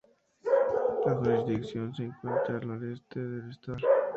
La jurisdicción se encuentra al noreste del estado Bolívar.